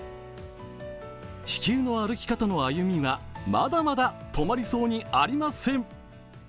「地球の歩き方」の歩みはまだまだ止まりそうにありません。